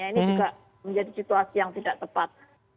ini juga menjadi situasi yang tidak tepat